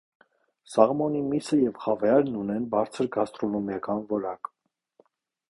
Սաղմոնի միսը և խավիարն ունեն բարձր գաստրոնոմիական որակ։